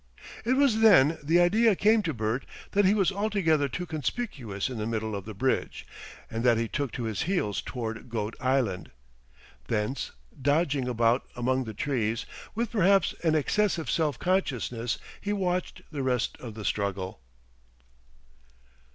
It was then the idea came to Bert that he was altogether too conspicuous in the middle of the bridge, and that he took to his heels towards Goat Island. Thence, dodging about among the trees, with perhaps an excessive self consciousness, he watched the rest of the struggle.